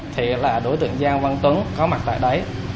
thì là đối tượng giang văn tuấn có mặt tại đấy